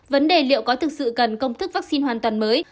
vấn đề liệu có thực sự cần công thức vaccine hoàn toàn mới